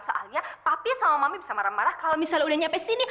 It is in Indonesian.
soalnya papi sama mami bisa marah marah kalo misalnya udah nyampe sini